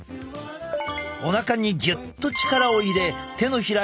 おなかにぎゅっと力を入れ手のひら